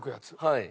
はい。